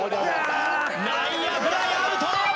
内野フライアウト！